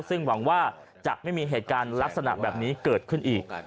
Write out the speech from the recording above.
ซึ่งหวังว่าจะไม่มีเหตุการณ์ลักษณะแบบนี้เกิดขึ้นอีก